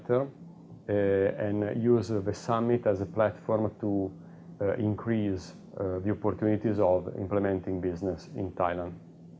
dan menggunakan summit sebagai platform untuk meningkatkan kesempatan untuk melakukan bisnis di thailand